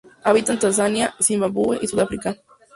Habita en Tanzania, Zimbabue y Sudáfrica.